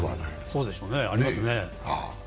そうでしょうね、ありますね。